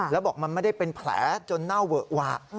แล้วบอกมันไม่ได้เป็นแผลจนเน่าเวอะหวะ